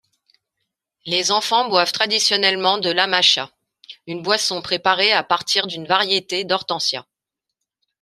Les enfants boivent traditionnellement de l'amacha, une boisson préparée à partir d'une variété d'hortensia.